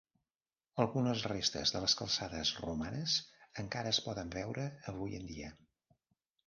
Algunes restes de les calçades romanes encara es poden veure avui en dia.